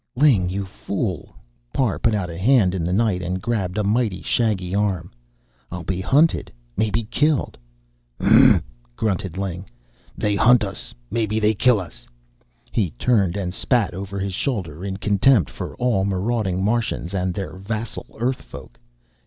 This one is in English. "Ling, you fool!" Parr put out a hand in the night, and grabbed a mighty shaggy arm. "I'll be hunted maybe killed " "Huh!" grunted Ling. "They hunt us, maybe they get killed." He turned and spat over his shoulder, in contempt for all marauding Martians and their vassal Earth folk.